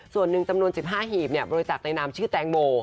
ส่วนหนึ่งจำนวน๑๕หีบบริจาคในนามชื่อแตงโม